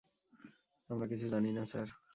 আমরা কিছু জানি না, স্যার।